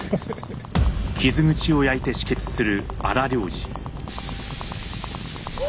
傷口を焼いて止血する荒療治。